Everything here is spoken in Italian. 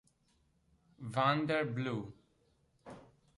Vander Blue